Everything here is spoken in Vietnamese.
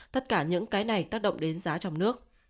tất cả những cái này tác động đến giá trong nước